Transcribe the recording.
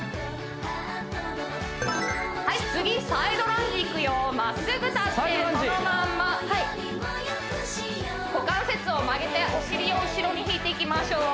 はい次サイドランジいくよまっすぐ立ってそのまんま股関節を曲げてお尻を後ろに引いていきましょう